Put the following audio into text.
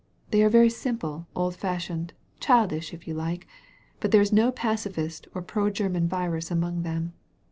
They are very simple, old fashioned, childish, if you like; but there is no pacifist or pro German virus among them.